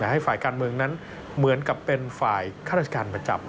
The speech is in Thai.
ให้ฝ่ายการเมืองนั้นเหมือนกับเป็นฝ่ายข้าราชการประจำ